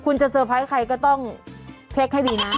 คุณจะเตอร์ไพรส์ใครก็ต้องเช็คให้ดีนะ